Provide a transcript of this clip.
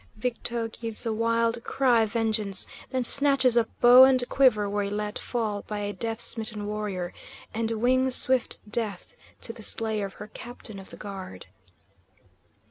Victo gives a wild cry of vengeance, then snatches up bow and quiver where let fall by a death smitten warrior, and wings swift death to the slayer of her captain of the guard.